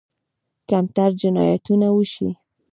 کمتر جنایتونه وشي.